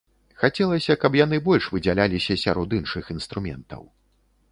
Хацелася, каб яны больш выдзяляліся сярод іншых інструментаў.